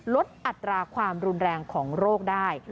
อัตราความรุนแรงของโรคได้